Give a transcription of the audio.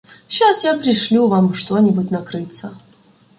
— Щас я прішлю вам што-нібудь накритса.